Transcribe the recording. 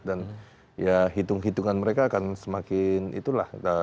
dan ya hitung hitungan mereka akan semakin itulah